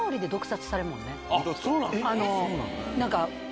そうなんですか？